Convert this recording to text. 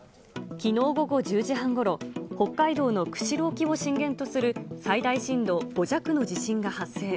きのう午後１０時半ごろ、北海道の釧路沖を震源とする最大震度５弱の地震が発生。